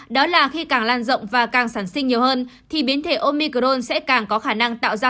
đó là khi càng lan rộng và càng sản sinh nhiều hơn thì biến thể omicron sẽ càng có khả năng tạo ra